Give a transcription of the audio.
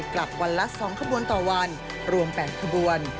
กลับวันละ๒ขบวนต่อวันรวม๘ขบวน